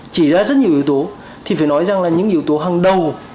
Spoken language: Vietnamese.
chỉ ra rất nhiều yếu tố thì phải nói rằng là những yếu tố hàng đầu